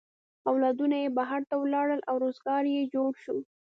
اولادونه یې بهر ته ولاړل او روزگار یې جوړ شو.